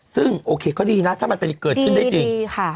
ซึ่งโอเคก็ดีนะถ้ามันเกิดขึ้นได้จริง